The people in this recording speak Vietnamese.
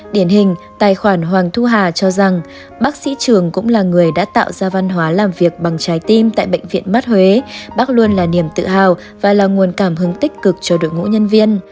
điển hình tài khoản hoàng thu hà cho rằng bác sĩ trường cũng là người đã tạo ra văn hóa làm việc bằng trái tim tại bệnh viện mắt huế bác luôn là niềm tự hào và là nguồn cảm hứng tích cực cho đội ngũ nhân viên